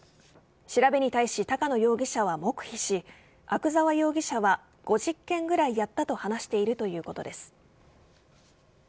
調べに対し高野容疑者は黙秘し阿久沢容疑者は５０件くらいやったと話しているということです。